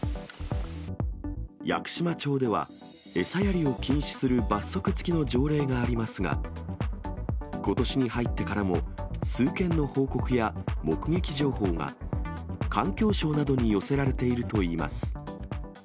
屋久島町では、餌やりを禁止する罰則付きの条例がありますが、ことしに入ってからも、数件の報告や目撃情報が、環境省などに寄せられているといいます。